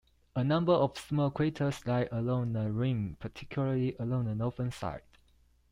A number of small craters lie along the rim, particularly along the northern side.